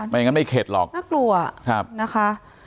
อย่างนั้นไม่เข็ดหรอกน่ากลัวนะคะ